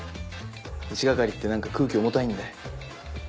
一係って何か空気重たいんで。